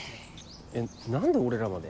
えっ何で俺らまで。